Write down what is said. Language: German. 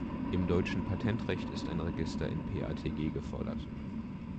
Im deutschen Patentrecht ist ein Register in PatG gefordert.